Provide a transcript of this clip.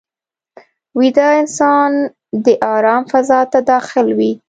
ویده انسان د آرام فضا ته داخل وي